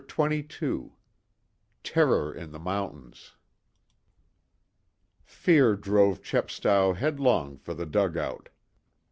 CHAPTER XXII TERROR IN THE MOUNTAINS Fear drove Chepstow headlong for the dugout.